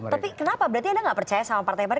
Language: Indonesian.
tapi kenapa berarti anda tidak percaya sama partai partai